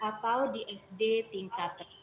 atau di sd tingkat